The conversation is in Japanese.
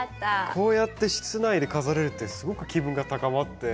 こうやって室内で飾れるってすごく気分が高まって。